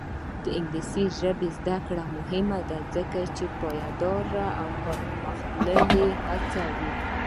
د انګلیسي ژبې زده کړه مهمه ده ځکه چې پایداره پرمختګ هڅوي.